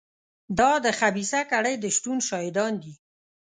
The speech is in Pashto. دا د خبیثه کړۍ د شتون شاهدان دي.